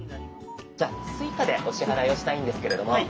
じゃあ「Ｓｕｉｃａ」でお支払いをしたいんですけれども。